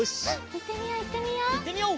うんいってみよういってみよう。